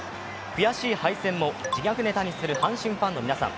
悔しい敗戦も自虐ネタにする阪神ファンの皆さん。